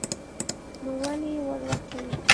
نو ولې ور وتلې